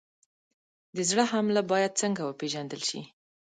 د زړه حمله باید څنګه وپېژندل شي؟